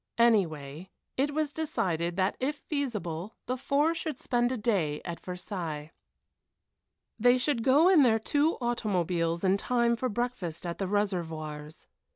Anyway, it was decided that if feasible the four should spend a day at Versailles. They should go in their two automobiles in time for breakfast at the Réservoirs.